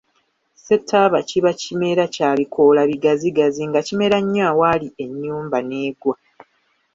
Ssettaaba kiba kimera kya bikoola bigazigazi nga kimera nnyo awaali ennyumba n’egwa.